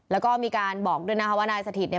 แล้วก็มีการบอกด้วยนะคะว่านายสถิตเนี่ย